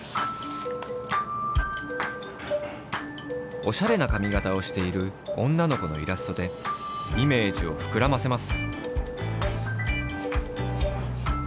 おしゃれな髪型をしている女の子のイラストでイメージをふくらませます。